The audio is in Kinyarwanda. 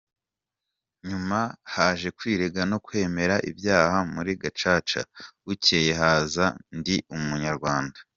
Nyuma haje kwirega no kwemera ibyaha muri gacaca, bukeye haza “ndi umunyarwanda”.